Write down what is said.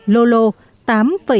lô lô tám ba phần nghìn